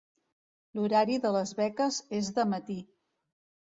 L'horari de les beques és de matí.